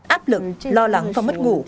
áp lực lo lắng và mất ngủ